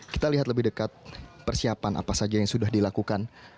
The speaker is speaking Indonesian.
kita lihat lebih dekat persiapan apa saja yang sudah dilakukan